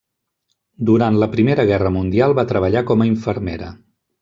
Durant la Primera Guerra Mundial va treballar com a infermera.